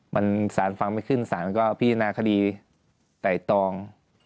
มันสารฟังไม่ขึ้นสารมันก็พิจารณาคดีไต่ตอง